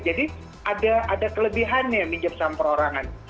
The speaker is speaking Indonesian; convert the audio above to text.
jadi ada kelebihannya ya pinjam sama perorangan